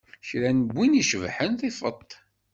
Kra n win i cebḥen tifeḍ-t.